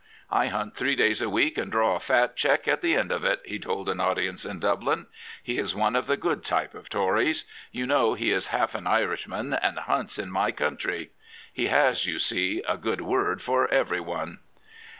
' I hunt three days a week and draw a fat cheque at the end of it,' he told an audience in Dublin. He is one of the good type of Tories. You know he is half an Irishman, and hunts in my country." He has, you see, a good word for everyone.